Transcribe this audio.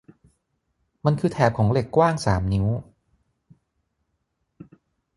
มันคือแถบของเหล็กกว้างสามนิ้ว